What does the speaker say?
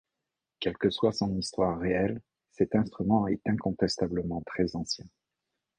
Quelle que soit son histoire réelle, cet instrument est incontestablement très ancien.